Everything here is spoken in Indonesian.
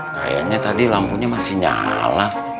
kayaknya tadi lampunya masih nyala